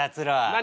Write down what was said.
何？